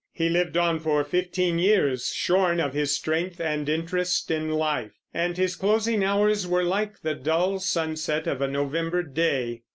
He lived on for fifteen years, shorn of his strength and interest in life; and his closing hours were like the dull sunset of a November day.